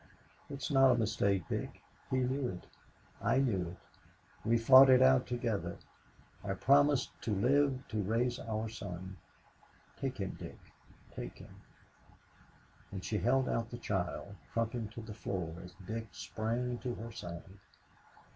"It is not a mistake, Dick. He knew it. I knew it. We fought it out together. I promised to live to raise our son. Take him, Dick take him," and she held out the child, crumpling to the floor as Dick sprang to her side.